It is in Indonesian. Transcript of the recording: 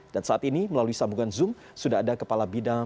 dan saat ini melalui sambungan zoom sudah ada kepala bidang